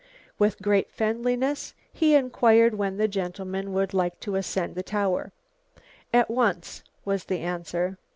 With great friendliness he inquired when the gentlemen would like to ascend the tower. "At once," was the answer.